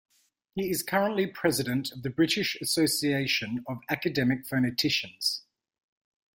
He is currently President of the British Association of Academic Phoneticians.